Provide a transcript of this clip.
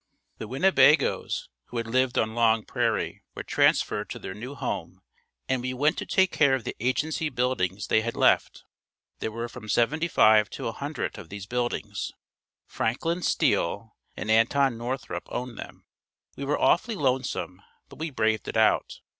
The Winnebagoes who had lived on Long Prairie were transferred to their new home and we went to take care of the agency buildings they had left. There were from seventy five to a hundred of these buildings. Franklin Steele and Anton Northrup owned them. We were awfully lonesome but we braved it out.